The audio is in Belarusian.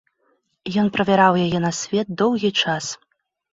Ён правяраў яе на свет доўгі час.